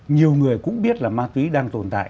nhiều người cũng biết là ma túy đang tồn tại